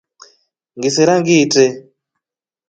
Ngisera ngiitre.